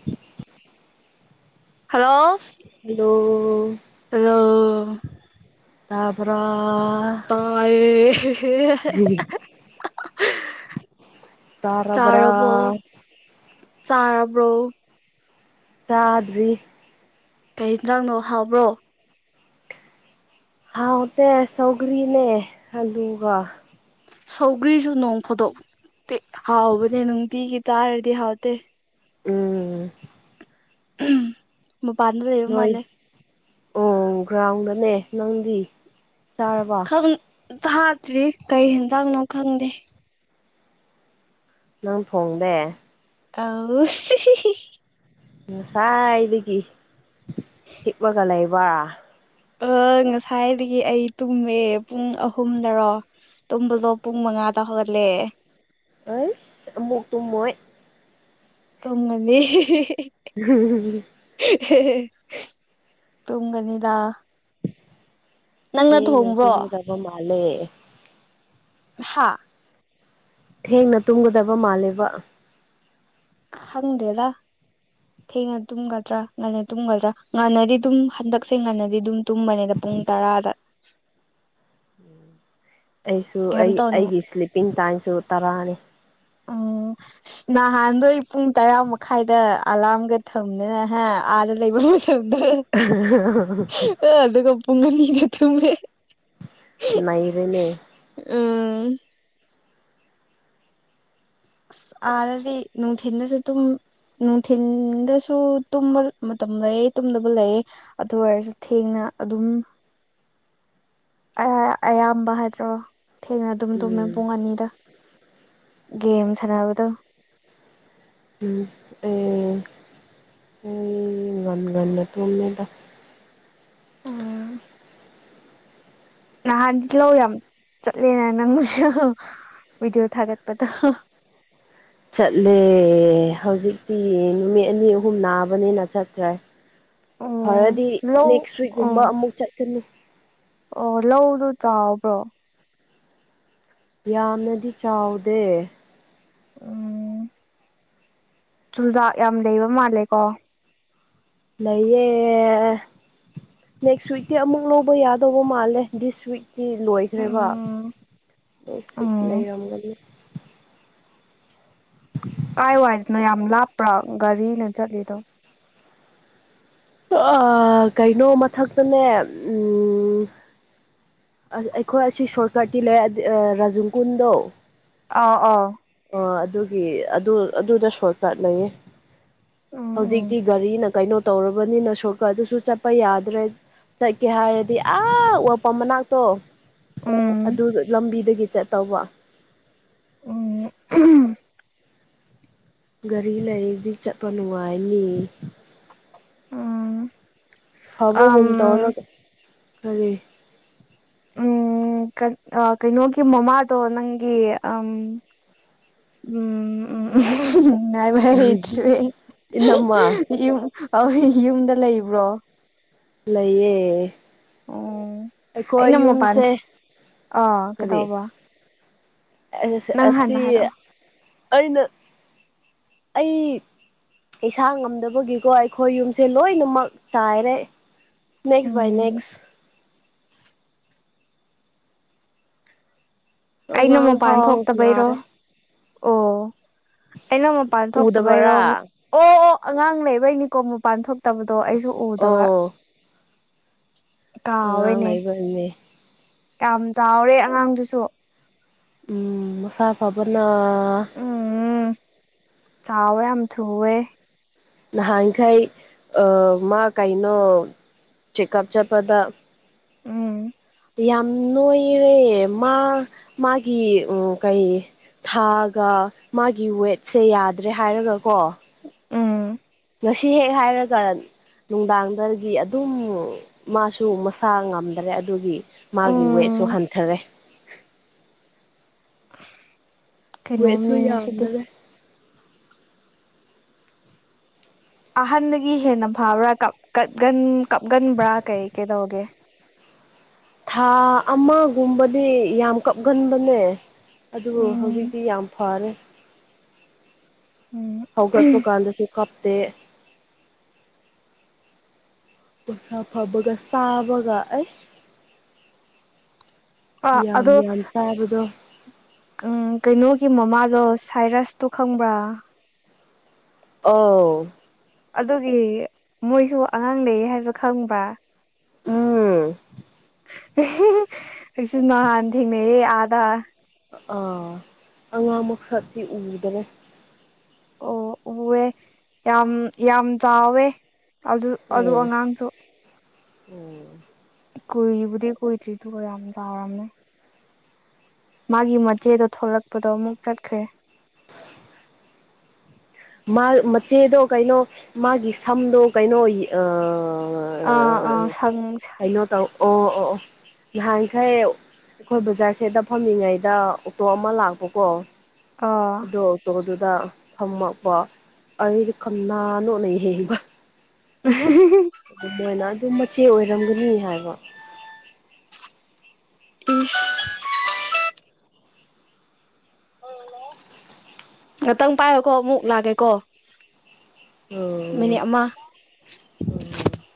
[inaudible] hello hello hello ꯇꯥꯕꯔꯥ ꯇꯥꯌꯦ [inaudible] ꯇꯥꯔꯕ꯭ꯔꯥ ꯆꯥꯔꯕꯣ ꯆꯥꯗ꯭ꯔꯤ ꯀꯩ ꯏꯟꯖꯥꯡꯅꯣ ꯍꯥꯎꯕ꯭ꯔꯣ ꯍꯥꯎꯇꯦ ꯁꯧꯒꯔꯤꯅꯦ ꯑꯂꯨꯒ ꯁꯧꯒ꯭ꯔꯤꯁꯨ ꯅꯣꯡ ꯐꯨꯗꯣꯛꯇꯤ ꯍꯥꯎꯕꯅꯦ ꯅꯨꯡꯇꯤꯒꯤ ꯆꯥꯔꯗꯤ ꯍꯥꯎꯇꯦ ꯎꯝ ꯎꯝ ꯃꯄꯥꯟꯗ ꯂꯩꯕ ꯃꯥꯂꯦ ꯑꯣ ꯒ꯭ꯔꯥꯎꯟꯗꯅꯦ ꯅꯪꯗꯤ ꯆꯥꯔꯕ ꯎꯝ ꯊꯥꯗꯔꯤ ꯀꯩ ꯍꯦꯟꯖꯥꯡꯅꯣ ꯈꯪꯗꯦ ꯅꯪ ꯐꫭꯡꯗꯦ ꯑꯧ [inaudible] ꯅꯁꯥꯏꯗꯒꯤ ꯍꯤꯞꯝꯒ ꯂꯩꯕ ꯑ ꯉꯁꯥꯏꯗꯒꯤ ꯑꯩ ꯇꯨꯝꯃꯦ ꯄꯨꯡ ꯑꯍꯨꯝꯗꯔꯣ ꯇꯨꯝꯕꯗꯣ ꯄꯨꯡ ꯃꯉꯥꯗ ꯍꯧꯒꯠꯂꯦ ꯑꯩꯁ ꯑꯃꯨꯛ ꯇꯨꯝꯃꯣꯏ ꯇꯨꯝꯒꯅꯤ [inaudible] [inaudible] ꯇꯨꯝꯒꯅꯤꯗ ꯅꯪꯅ ꯊꯦꯡꯅ ꯊꯣꯡꯕ꯭ꯔꯣ ꯆꯦꯟꯒꯗꯕ ꯃꯥꯂꯦ ꯍꯥꯥ ꯊꯦꯡꯅ ꯇꯨꯝꯒꯗꯕ ꯃꯥꯜꯂꯦꯕ ꯍꯪꯗꯦꯗ [inaudible] [unintelligible] ꯇꯨꯝꯒꯗ꯭ꯔꯥ ꯉꯟꯅ ꯇꯨꯝꯒꯗ꯭ꯔꯥ ꯉꯟꯅꯗꯤ ꯗꯨꯝ ꯍꯟꯗꯛꯁꯦ ꯉꯟꯅꯗꯤ ꯑꯗꯨꯝ ꯇꯨꯝꯕꯅꯦꯗ ꯄꯨꯡ ꯇꯔꯥꯗ ꯑꯩꯁꯨ ꯀꯩꯝ ꯇꯧꯅꯤꯡꯉꯥꯏ ꯑꯩ-ꯑꯩꯒꯤ ꯁ꯭ꯂꯤꯞꯄꯤꯡ ꯇꯥꯏꯝꯁꯨ ꯇꯔꯥꯅꯤ ꯎꯝ ꯅꯍꯥꯟꯗꯣ ꯑꯩ ꯄꯨꯡ ꯇꯔꯥ ꯃꯈꯥꯏꯗ ꯑꯂꯥꯔꯝꯒ ꯊꯝꯗꯅ ꯍ ꯑꯥꯗ ꯂꯩꯕ [unintelligible] [unintelligible] ꯑ ꯑꯗꯨꯒ ꯄꯨꯡ ꯑꯅꯤꯗ ꯊꯨꯝꯃꯦ ꯅꯩꯔꯦꯅꯦ ꯎꯝ ꯑꯁ ꯑꯥꯗꯗꯤ ꯅꯨꯡꯊꯤꯟꯗꯁꯨ ꯇꯨꯝ ꯅꯨꯡꯊꯤꯟꯗꯁꯨ ꯇꯨꯝꯕ ꯃꯇꯝ ꯂꯩꯌꯦ ꯇꯨꯝꯗꯕ ꯂꯩꯌꯦ ꯑꯗꯨ ꯑꯣꯏꯔꯁꯨ ꯊꯦꯡꯅ ꯑꯗꯨꯝ ꯑꯍ ꯑꯌꯥꯝꯕ ꯍꯥꯏꯗ꯭ꯔꯣ ꯊꯦꯡꯅ ꯑꯗꯨꯝ ꯇꯨꯝꯃꯦ ꯎꯝ ꯄꯨꯡ ꯑꯅꯤꯗ ꯒꯦꯝ ꯁꯥꯟꯅꯕꯗꯣ ꯎꯝ [unintelligible] ꯉꯟ ꯉꯟꯅ ꯇꯨꯝꯃꯦꯗ ꯎꯝ ꯅꯍꯥꯟꯗꯤ ꯂꯧ ꯌꯥꯝ ꯆꯠꯂꯦꯅ ꯅꯪꯖꯨ ꯚꯤꯗꯤꯑꯣ ꯊꯥꯒꯠꯄꯗꯣ ꯆꯠꯂꯦ ꯍꯧꯖꯤꯛꯇꯤ ꯅꯨꯃꯤꯠ ꯑꯅꯤ ꯑꯍꯨꯝ ꯅꯥꯕꯅꯤꯅ ꯆꯠꯇ꯭ꯔꯦ ꯎꯝ ꯐꯔꯗꯤ ꯂꯧ ꯅꯦꯛꯁ ꯋꯤꯛ ꯀꯨꯝꯕ ꯑꯣ ꯑꯃꯨꯛ ꯆꯠꯀꯅꯤ ꯑꯣ ꯂꯧꯗꯨ ꯆꯥꯎꯕ꯭ꯔꯣ ꯌꯥꯝꯅꯗꯤ ꯆꯥꯎꯗꯦ ꯎꯝ ꯆꯨꯖꯥꯛ ꯌꯥꯝ ꯂꯩꯕ ꯃꯥꯜꯂꯦ ꯀꯣ ꯂꯩꯌꯦ ꯅꯦꯛꯁ ꯋꯤꯛꯇꯤ ꯑꯃꯨꯛ ꯂꯧꯕ ꯌꯥꯗꯧꯕ ꯃꯥꯜꯂꯦ ꯗꯤꯁ ꯋꯤꯛ ꯁꯤ ꯂꯣꯏꯈ꯭ꯔꯦꯕ ꯎꯝ ꯑꯣ ꯁ ꯎꯝ ꯂꯩꯔꯝꯒꯅꯤ [unintelligible] ꯀꯥꯏ ꯋꯥꯏꯗꯅꯣ ꯌꯥꯝ ꯂꯥꯞꯄ꯭ꯔꯥ ꯒꯥꯔꯤꯅ ꯆꯠꯂꯤꯗꯣ ꯑꯥ ꯀꯩꯅꯣ ꯃꯊꯛꯇꯅꯦ ꯎꯝ ꯑꯁ ꯑꯩꯈꯣꯏ ꯑꯁꯤ ꯁꯣꯔꯠꯀꯠꯇꯤ ꯂꯩ ꯔꯥꯖꯨꯡ ꯀꯨꯟꯗꯣ ꯑꯥꯎ ꯑꯥꯎ ꯑꯣ ꯑꯗꯨꯒꯤ ꯑꯗꯨ ꯑꯗꯨꯗ ꯁꯣꯔꯠꯀꯠ ꯂꯩꯌꯦ ꯎꯝ ꯎꯝ ꯍꯧꯖꯤꯛꯇꯤ ꯒꯥꯔꯤꯅ ꯀꯩꯅꯣ ꯇꯧꯔꯕꯅꯤꯅ ꯁꯣꯔꯀ ꯑꯗꯨꯁꯨ ꯆꯠꯄ ꯌꯥꯗ꯭ꯔꯦ ꯆꯠꯀꯦ ꯍꯥꯏꯔꯗꯤ ꯑꯥ ꯑꯣꯏꯜ ꯄꯝ ꯃꯅꯥꯛꯇꯣ ꯎꯝ ꯑꯗꯨ ꯂꯝꯕꯤꯗꯒꯤ ꯆꯠꯇꯧꯕ ꯎꯝ ꯒꯥꯔꯤ ꯂꯩꯔꯗꯤ ꯆꯠꯄ ꯅꯨꯡꯉꯥꯏꯅꯤ ꯎꯝ ꯑꯝ ꯐꯕꯒꯨꯝꯨ ꯇꯧꯔꯒ ꯀꯔꯤ ꯎꯝ ꯑ ꯀꯩꯅꯣꯒꯤ ꯃꯃꯥꯗꯣ ꯅꯪꯒꯤ ꯎꯝ ꯎꯝ ꯎꯝ ꯉꯥꯏꯕ ꯍꯩꯇ꯭ꯔꯦ ꯏꯅꯝꯃ ꯑꯩ ꯌꯨꯝ ꯌꯨꯝꯗ ꯂꯩꯕ꯭ꯔꯣ ꯂꯩꯌꯦ ꯎꯝ ꯑꯩꯈꯣꯏ ꯑꯩꯅ ꯃꯄꯥꯟ ꯌꯨꯝꯁꯦ ꯑꯥ ꯐꯔꯤ ꯀꯩꯗꯧꯕ ꯅꯪ ꯑꯁꯤ ꯍꯥꯟꯅ ꯍꯥꯏꯔꯛꯑꯣ ꯑꯩꯅ ꯑꯩ ꯏꯁꯥ ꯉꯝꯗꯕꯒꯤꯀꯣ ꯑꯩꯈꯣꯏ ꯌꯨꯝꯁꯦ ꯂꯣꯏꯅꯃꯛ ꯆꯥꯏꯔꯦ ꯅꯦꯛꯁ ꯚꯥꯏ ꯎꯝ ꯅꯦꯛꯁ ꯑꯩꯅ ꯑꯉꯥꯡ ꯃꯄꯥꯟ ꯐꯥꯎ ꯊꯣꯛꯇꯕꯩꯔꯣ ꯅꯥꯔꯦ ꯑꯣ ꯑꯩꯅ ꯃꯄꯥꯟ ꯎꯗꯕꯔꯥ ꯊꯣꯛꯇꯕꯩꯔꯣꯝ ꯑꯣ ꯑꯣ ꯑꯉꯥꯡ ꯂꯩꯕꯩꯅꯤꯀꯣ ꯃꯄꯥꯟ ꯊꯣꯛꯇꯕꯗꯣ ꯑꯩꯁꯨ ꯎꯗꯕ ꯑꯣ ꯑꯉꯥꯡ ꯀꯥꯎꯋꯦꯅꯦ ꯂꯩꯕꯅꯦ ꯌꯥꯝ ꯆꯥꯎꯔꯦ ꯑꯉꯥꯡꯗꯨꯁꯨ ꯎꯝ ꯃꯁꯥ ꯐꯕꯅ ꯎꯝ ꯆꯥꯎꯋꯦ ꯌꯥꯝ ꯊꯨꯑꯦ ꯅꯍꯥꯡꯈꯩ ꯃꯥ ꯀꯥꯏꯅꯣ ꯆꯦꯛ ꯑꯞ ꯆꯠꯄꯗ ꯎꯝ ꯌꯥꯝ ꯅꯣꯏꯔꯦ ꯃꯥ ꯃꯥꯒꯤ ꯀꯩ ꯊꯥꯒ ꯃꯥꯒꯤ ꯋꯦꯠꯁꯦ ꯌꯥꯗ꯭ꯔꯦ ꯍꯥꯏꯔꯒ ꯀꯣ ꯎꯝ ꯉꯁꯤ ꯍꯦꯛ ꯍꯥꯏꯔ ꯀꯔ ꯅꯨꯡꯗꯥꯡꯗꯒꯤ ꯑꯗꯨꯝ ꯃꯥꯁꯨ ꯃꯁꯥ ꯉꯝꯗ꯭ꯔꯦ ꯑꯗꯨꯒꯤ ꯃꯥꯒꯤ ꯋꯦꯠꯁꯨ ꯎꯝ ꯍꯟꯊꯔꯦ ꯋꯦꯠꯁꯨ ꯀꯩꯅꯣꯝꯅꯤꯅꯦ ꯁꯤꯗꯤ ꯌꯥꯝꯗꯔꯦ ꯑꯍꯟꯗꯒꯤ ꯍꯦꯟꯅ ꯐꯕ꯭ꯔꯥ ꯀꯟ ꯀꯞꯒꯟꯕ꯭ꯔꯥ ꯀꯩ ꯀꯩꯗꯧꯒꯦ ꯊꯥ ꯑꯃꯒꯨꯝꯕꯗꯤ ꯌꯥꯝ ꯀꯞꯒꯟꯕꯅꯦ ꯑꯗꯨ ꯍꯧꯖꯤꯛ ꯎꯝ ꯖꯤꯛꯇꯤ ꯌꯥꯝ ꯐꯔꯦ ꯎꯝ ꯍꯧꯒꯠꯄ ꯀꯥꯟꯗꯁꯨ ꯀꯞꯇꯦ ꯃꯁꯥ ꯐꯕꯒ ꯆꯥꯕꯒ ꯑꯁ ꯑ ꯌꯥꯝ ꯑꯗꯣ ꯌꯥꯝ ꯆꯥꯕꯗꯣ ꯎ ꯀꯩꯅꯣꯒꯤ ꯃꯃꯥꯗꯣ ꯁꯥꯏꯔꯁꯇꯣ ꯈꯪꯕ꯭ꯔꯥ ꯑꯧ ꯑꯗꯨꯒꯤ ꯃꯣꯏꯁꯨ ꯑꯉꯥꯡ ꯂꯩꯌꯦ ꯍꯥꯏꯕꯗꫭ ꯈꯪꯕ꯭ꯔꯥ ꯎꯝ ꯑꯩꯁꯨ ꯅꯍꯥꯟ ꯊꯦꯡꯅꯩꯌꯦ ꯑꯗꯥꯥ ꯥ ꯑꯥ ꯑꯉꯥꯡ ꯃꯈꯛꯇꯤ ꯎꯗꯔꯦ ꯑꯣ ꯎꯑꯦ ꯌꯥꯝ ꯌꯥꯝ ꯆꯥꯎꯋꯦ ꯑꯗꯨ ꯑꯗꯨ ꯑꯉꯥꯡꯁꯨ ꯑꯣ ꯀꯨꯏꯕꯨꯗꯤ ꯀꯨꯏꯗ꯭ꯔꯤꯗꯨꯒ ꯌꯥꯝ ꯆꯥꯎꯔꯝꯃꯦ ꯃꯥꯒꯤ ꯃꯆꯦꯗꯣ ꯊꯣꯛꯂꯛꯄꯗꯣ ꯑꯃꯨꯛ ꯆꯠꯈ꯭ꯔꯦ ꯃꯆꯦꯗꯣ ꯀꯩꯅꯣ ꯃꯥꯒꯤ ꯁꯝꯗꯣ ꯀꯩꯅꯣ ꯑꯥ ꯑꯥ ꯁꯪ ꯀꯩꯅꯣ ꯇꯧ ꯑꯣ ꯑꯣ ꯑꯣ ꯌꯥꯍꯟꯈꯩ ꯑꯩꯈꯣꯏ ꯕꯖꯥꯔ ꯁꯦꯗ ꯐꯝꯃꯤꯉꯩꯗ ꯑꯣꯛꯇꯣ ꯑꯃ ꯂꯥꯛꯄꯀꯣ ꯑꫭ ꯗꫭ ꯑꯣꯛꯇꯣꯗꯨꯗ ꯐꯝꯃꯛꯄ ꯑꯩꯗꯤ ꯀꯅꯥꯅꯣꯅ ꯌꯦꯡꯕ ꯎ [unintelligible] ꯃꫭꯏꯅ ꯑꯗꯨꯝ ꯃꯆꯦ ꯑꯣꯏꯔꯝꯒꯅꯤ ꯍꯥꯏꯕ ꯏꯁ ꯉꯥꯛꯇꯪ ꯄꯥꯏꯌꯨꯀꯣ ꯃꯨꯛ ꯂꯥꯛꯀꯦꯀꯣ ꯃꯤꯅꯤꯠ ꯑꯃ ꯑꯣ ꯑꯣ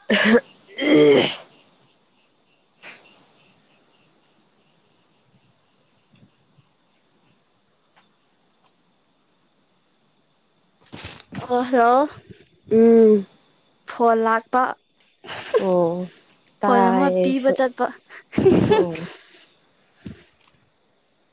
[unintelligible] ꯍꯂꯣ ꯎꯝ ꯐꯣꯜ ꯂꯥꯛꯄ ꯑꯣ ꯐꯣꯟ ꯇꯥꯏ ꯑꯃ ꯄꯤꯕ ꯑꯩꯁꯨ ꯆꯠꯄ ꯑꯣ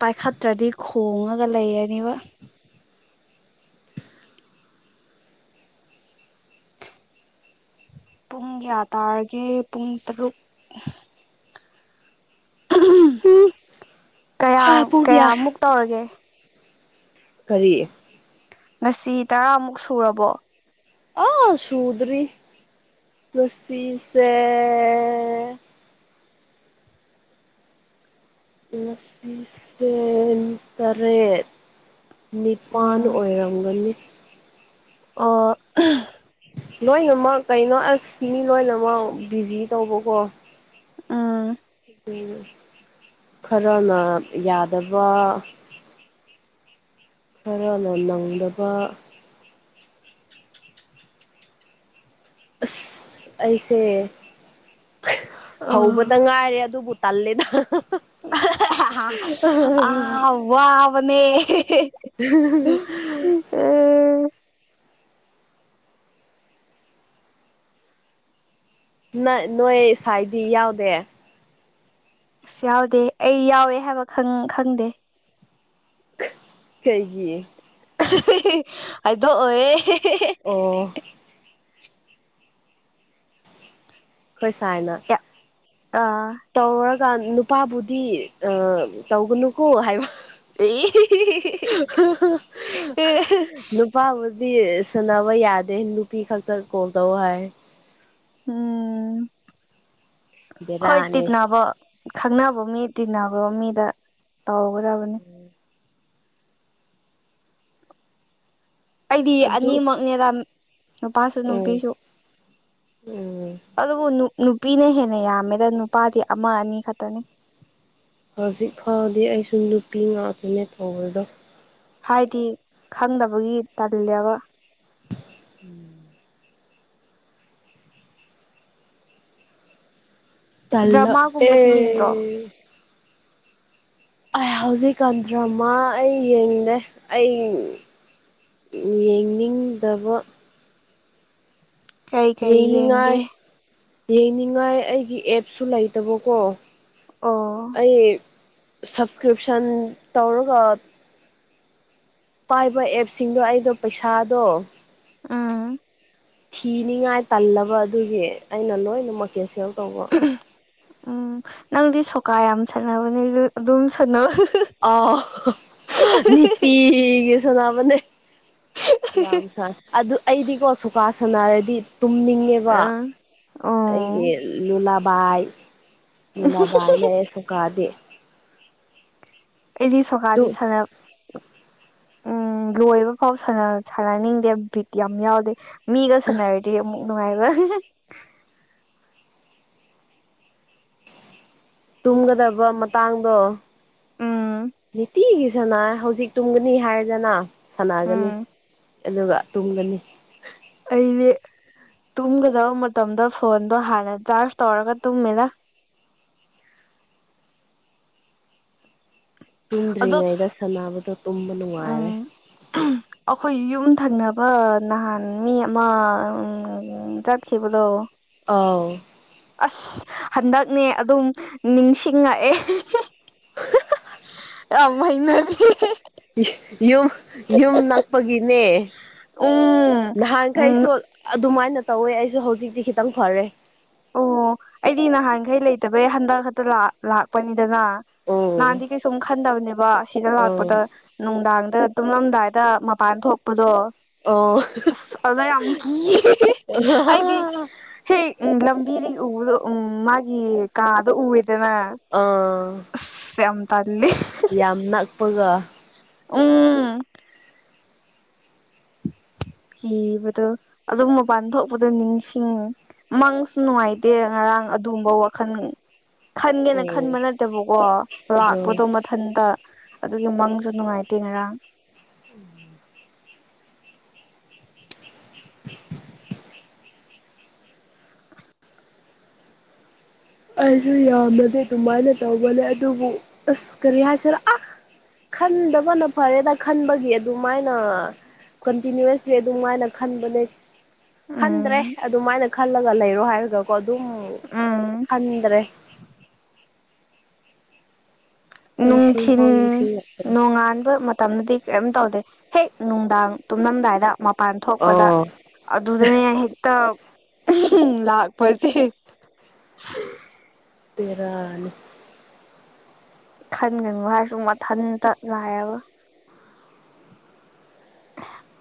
ꯄꯥꯏꯈꯠꯇ꯭ꯔꯗꯤ ꯈꯣꯡꯉꯒ ꯂꯩꯔꯅꯤꯕ ꯄꯨꯡ ꯀꯌꯥ ꯇꯥꯔꯒꯦ ꯄꯨꯡ ꯇꯔꯨꯛ ꯀꯌꯥ ꯄꯨꯡ ꯀꯌꯥ ꯀꯌꯥꯃꯨꯛ ꯇꯧꯔꯒꯦ ꯀꯔꯤ ꯉꯁꯤ ꯇꯔꯥꯃꯨꯛ ꯁꯨꯔꯕꯣ ꯑꯥ ꯁꯨꯗ꯭ꯔꯤ ꯉꯁꯤꯁꯦ ꯉꯁꯤꯁꯦ ꯇꯔꯦꯠ ꯅꯤꯄꯥꯟ ꯎꯝ ꯑꯣꯏꯔꯝꯒꯅꯤ ꯑꯣ ꯂꯣꯏꯅꯃꯛ ꯀꯩꯅꯣ ꯑꯁ ꯃꯤ ꯂꯣꯏꯅꯃꯛ ꯕꯤꯖꯤ ꯇꯧꯕꯀꯣ ꯎꯝ ꯈꯔꯅ ꯌꯥꯗꯕ ꯈꯔꯅ ꯅꯪꯗꯕ ꯑꯁ ꯑꯩꯁꯦ ꯑꯣ ꯍꯧꯕꯗ ꯉꯥꯏꯔꯦ ꯑꯗꯨꯕꯨ ꯇꯜꯂꯦꯗ ꯑꯥ ꯋꯥꯕꯅꯦ ꯎ [unintelligible] ꯎꯝ ꯅ ꯅꯣꯏ ꯁꯥꯏꯗꯤ ꯌꯥꯎꯗꯦ ꯑꯁ ꯌꯥꯎꯗꯦ ꯑꯩ ꯌꯥꯎꯋꯦ ꯍꯥꯏꯕ ꯈꯪ ꯈꯪꯗꯦ ꯀꯩꯒꯤ ꯍꯥꯏꯗꯣꯛꯑꯣꯏꯌꯦ ꯑꯣ ꯈꯣꯏ ꯁꯥꯏꯅ ꯑꯥ ꯇꯧꯔ ꯀꯥꯟ ꯅꯨꯄꯥꯕꯨꯗꯤ ꯇꯧꯒꯅꯨꯀꯣ ꯍꯥꯏꯕ [unintelligible] ꯅꯨꯄꯥꯕꯨꯗꯤ ꯁꯥꯟꯅꯕ ꯌꯥꯗꯦ ꯅꯨꯄꯤ ꯈꯛꯇ ꯀꯣꯜ ꯇꯧ ꯍꯥꯏꯌꯦ ꯎꯝ ꯈꫭꯏꯗꯤ ꯕꯦꯔꯥꯅꯤ ꯅꯥꯕ ꯈꯪꯅꯕ ꯃꯤ ꯇꯤꯟꯅꯕ ꯃꯤꯗ ꯇꯧꯒꯗꯕꯅꯤ ꯑꯩꯗꯤ ꯑꯗꯨ ꯑꯅꯤꯃꯛꯅꯦꯕ ꯅꯨꯄꯥꯁꯨ ꯑꯣ ꯅꯨꯄꯤꯁꯨ ꯎꯝ ꯑꯗꯨꯕꯨ ꯅꯨꯄꯤꯅ ꯍꯦꯟꯅ ꯌꯥꯝꯃꯦꯗ ꯅꯨꯄꯥꯗꯤ ꯑꯃ ꯑꯅꯤ ꯈꯛꯇꯅꯤ ꯍꯧꯖꯤꯛ ꯐꯥꯎꯗꯤ ꯑꯩꯁꯨ ꯅꯨꯄꯤ ꯉꯥꯛꯇꯅꯦ ꯇꯧꯕꯗꯣ ꯍꯥꯏꯗꯤ ꯈꯪꯗꯕꯒꯤ ꯇꯜꯂꯦꯕ ꯎꯝ [unintelligible] ꯗ꯭ꯔꯃꯥꯒꯨꯝꯕꯗꯤ ꯌꯦꯡꯗ꯭ꯔꯣ ꯇꯜꯂꯛꯑꯦ ꯑꯩ ꯍꯧꯖꯤꯛꯀꯟ ꯗ꯭ꯔꯃꯥ ꯑꯩ ꯌꯦꯡꯗꯦ ꯑꯩ ꯌꯦꯡꯅꯤꯡꯗꯕ ꯀꯩ ꯀꯩ ꯌꯦꯡꯅꯤꯡꯉꯥꯏ ꯌꯦꯡꯒꯦ ꯌꯦꯡꯅꯤꯡꯉꯥꯏ ꯑꯩꯒꯤ ꯑꯦꯞꯁꯨ ꯂꯩꯇꯕꯀꯣ ꯑꯣ ꯑꯩ ꯁꯞꯁꯀ꯭ꯔꯤꯞꯁꯟ ꯇꯧꯔꯒ ꯄꯥꯏꯕ ꯑꯦꯞꯁꯤꯡꯗꯣ ꯑꯩꯗꯣ ꯄꯩꯁꯥꯗꯣ ꯎꯝ ꯊꯤꯅꯤꯡꯉꯥꯏ ꯇꯜꯂꯕ ꯑꯗꯨꯒꯤ ꯑꯩꯅ ꯂꯣꯏꯅꯃꯛ ꯀꯦꯟꯁꯦꯜ ꯇꯧꯕ ꯎꯝ ꯅꯪꯗꯤ ꯁꯣꯀꯥ ꯌꯥꯝ ꯁꯥꯟꯅꯕꯅꯦ ꯑꯗꯨꯝ ꯁꯥꯟꯅꯧ ꯑꯧ ꯅꯨꯡꯇꯤꯒꯤ ꯁꯥꯟꯅꯕꯅꯦ ꯌꯥꯝ ꯁꯥꯟ ꯑꯗꯨ ꯑꯩꯗꯤꯀꯣ ꯁꫭꯀꯥ ꯁꯥꯟꯅꯔꯗꯤ ꯇꯨꯝꯅꯤꯡꯉꯦꯕ ꯑꯥ ꯑꯩꯒꯤ ꯑꯣ ꯂꯨꯂꯥꯕꯥꯏ ꯂꯨꯂꯕꯥꯏꯅꯦ ꯁꫭꯀꯥꯗꯤ ꯑꯩꯗꯤ ꯁꯣꯀꯥꯗꯤ ꯁꯥꯟꯅꯕ ꯎꯝ ꯂꯣꯏꯕ ꯐꯥꯎ ꯁꯥꯟꯅ ꯁꯥꯟꯅꯅꯤꯡꯗꯦ ꯕꯤ꯭ꯠ ꯌꯥꯝ ꯌꯥꯎꯗꯦ ꯃꯤꯒ ꯁꯥꯟꯅꯔꯗꯤ ꯑꯃꯨꯛ ꯅꯨꯡꯉꯥꯏꯕ ꯇꯨꯝꯒꯗꯕ ꯃꯇꯥꯡꯗꯣ ꯎꯝ ꯅꯨꯡꯇꯤꯒꯤ ꯁꯥꯟꯅꯩ ꯍꯧꯖꯤꯛ ꯇꯨꯝꯒꯅꯤ ꯍꯥꯏꯔꯦꯗꯅ ꯁꯥꯟꯅꯒꯅꯤ ꯎꯝ ꯑꯗꯨꯒ ꯇꯨꯝꯒꯅꯤ ꯑꯩꯗꯤ ꯇꯨꯝꯒꯗꯕ ꯃꯇꯝꯗ ꯐꯣꯟꯗꯣ ꯍꯥꯟꯅ ꯆꯥꯔꯖ ꯇꯧꯔꯒ ꯇꯨꯝꯃꯤꯅ ꯑꯗꯣ ꯇꯨꯝꯗ꯭ꯔꯤꯉꯩꯗ ꯁꯥꯟꯅꯕꯗꯣ ꯇꯨꯝꯕ ꯅꯨꯡꯉꯥꯏꯔꯦ ꯎꯝ ꯑꯩꯈꯣꯏ ꯌꯨꯝ ꯊꯪꯅꯕ ꯅꯍꯥꯟ ꯃꯤ ꯑꯃ ꯆꯠꯈꯤꯕꯗꯣ ꯑꯥꯎ ꯑꯁ ꯍꯟꯗꯛꯅꯦ ꯑꯗꯨꯝ ꯅꯤꯡꯁꯤꯡꯉꯛꯑꯦ ꯌꯥꯝ ꯍꯩꯅꯗꯤꯌꯦ ꯌꯨꯝ ꯌꯨꯝ ꯅꯛꯄꯒꯤꯅꯦ ꯎꯝ ꯎꯝ ꯅꯍꯥꯟꯈꯩꯁꯨ ꯑꯗꯨꯃꯥꯏꯅ ꯇꯧꯋꯦ ꯑꯩꯁꯨ ꯍꯧꯖꯤꯛꯇꯤ ꯈꯤꯇꯪ ꯐꯔꯦ ꯑꯣ ꯑꯩꯗꯤ ꯅꯍꯥꯟꯈꯩ ꯂꯩꯇꯕꯩ ꯍꯟꯗꯛ ꯈꯛꯇ ꯂꯥꯛꯄꯅꯤꯗꯅ ꯎꯝ ꯅꯍꯥꯟꯗꯤ ꯀꯩꯁꯨꯝ ꯈꯟꯗꯕꯅꯦꯕ ꯑꯁꯤꯗ ꯎꯝ ꯂꯥꯛꯄꯗ ꯅꯨꯡꯗꯥꯡꯗ ꯇꯨꯝꯂꯝꯗꯥꯏꯗ ꯃꯄꯥꯟ ꯊꯣꯛꯄꯗꯣ ꯑꯣ ꯑꯁ ꯑꯗ ꯌꯥꯝ ꯀꯤꯌꯦ ꯍꯥꯏꯗꯤ ꯍꯦꯛ ꯎꯝ ꯂꯝꯕꯤꯗꯒꯤ ꯎꯕꯗꯣ ꯎꯝ ꯃꯥꯒꯤ ꯀꯥꯗꯣ ꯎꯏꯌꯦꯗꯅ ꯑꯥ ꯌꯥꯝ ꯅꯛꯄꯒ ꯎꯝ ꯀꯤꯕꯗꯣ ꯑꯗꯨꯝ ꯃꯄꯥꯟ ꯊꯣꯛꯄꯗ ꯅꯤꯡꯁꯤꯡꯉꯦ ꯃꯪꯁꯨ ꯅꯨꯡꯉꯥꯏꯇꯦ ꯉꯔꯥꯡ ꯑꯗꯨꯒꯨꯝꯕ ꯋꯥꯈꯜ ꯈꯟꯒꯦꯅ ꯑꯣ ꯈꯟꯕ ꯅꯠꯇꯦꯕꯀꯣ ꯑꯗꯣ ꯂꯥꯛꯄꯗꯣ ꯃꯊꯟꯇ ꯑꯗꯨꯒꯤ ꯃꯪꯁꯨ ꯅꯨꯡꯉꯥꯏꯇꯦ ꯉꯔꯥꯡ ꯎꯝ [unintelligible] [unintelligible] ꯑꯩꯁꯨ ꯌꯥꯝꯅꯗꯤ ꯑꯗꯨꯃꯥꯏꯅ ꯇꯧꯕꯅꯦ ꯑꯗꯨꯕꯨ ꯑꯁ ꯀꯔꯤ ꯍꯥꯏꯁꯦꯔꯥ ꯑꯥ ꯈꯟꯗꯕꯅ ꯐꯔꯦꯗ ꯈꯟꯕꯒꯤ ꯑꯗꯨꯃꯥꯏꯅ ꯀꯟꯇꯤꯅ꯭ꯨꯋꯁꯂꯤ ꯑꯗꯨꯝꯃꯥꯏꯅ ꯈꯟꯕꯅꯦ ꯈꯟꯗ꯭ꯔꯦ ꯎꯝ ꯑꯗꯨꯃꯥꯏꯅ ꯈꯜꯂꯒ ꯂꯩꯔꯣ ꯍꯥꯏꯔꯒꯀꯣ ꯑꯗꯨꯝ ꯎꯝ ꯈꯟꯗꯔ꯭ꯦ ꯅꯨꯡꯊꯤꯟ ꯅꯤꯡꯁꯤꯡꯐꯥꯎ ꯅꯤꯡꯁꯤꯡꯂꯛꯇ꯭ꯔꯦ ꯅꯣꯡꯉꯥꯟꯕ ꯃꯠ ꯇꯝꯗꯤ ꯀꯦꯝ ꯇꯧꯗꯦ ꯍꯦꯛ ꯅꯨꯡꯗꯥꯡ ꯇꯨꯝꯂꯝꯗꯥꯏꯗ ꯃꯄꯥꯟ ꯊꯣꯛꯄꯗ ꯑꯣ ꯑꯗꯨꯗꯅꯦ ꯍꯦꯛꯇ [unintelligible] ꯂꯥꯛꯄꯁꯦ ꯕꯦꯔꯥꯅꯤ ꯈꯟꯒꯅꯨ ꯍꯥꯏꯔꯁꯨ ꯃꯊꯟꯇ ꯂꯛꯏꯕ [unintelligible]